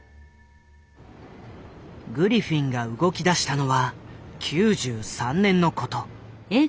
グリフィンが動きだしたのは９３年のこと。